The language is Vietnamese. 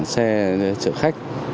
xe chợ khách